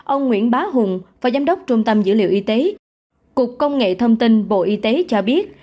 ông nguyễn bá hùng phó giám đốc trung tâm dữ liệu y tế cục công nghệ thông tin bộ y tế cho biết